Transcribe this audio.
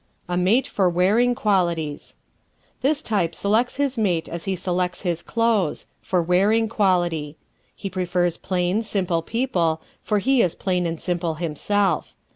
A Mate for Wearing Qualities ¶ This type selects his mate as he selects his clothes for wearing quality. He prefers plain, simple people, for he is plain and simple himself.